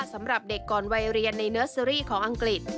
สำหรับเด็กก่อนวัยเรียนในเนอร์เซอรี่ของอังกฤษ